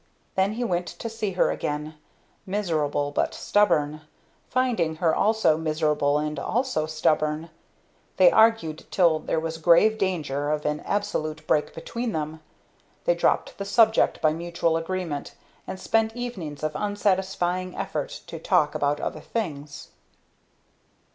Then he went to see her again, miserable but stubborn, finding her also miserable and also stubborn. They argued till there was grave danger of an absolute break between them; then dropped the subject by mutual agreement, and spent evenings of unsatisfying effort to talk about other things.